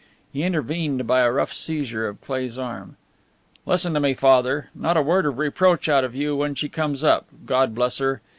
He intervened by a rough seizure of Cleigh's arm. "Listen to me, Father! Not a word of reproach out of you when she comes up God bless her!